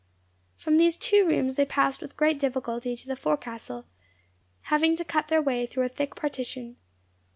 From these two rooms they passed with great difficulty to the forecastle, having to cut their way through a thick partition.